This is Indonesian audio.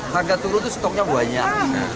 harga turun itu stoknya banyak